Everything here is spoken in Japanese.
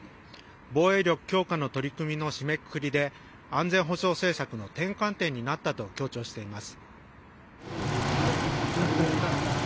防衛力強化の取り組みの締めくくりで安全保障政策の転換点になったと強調しています。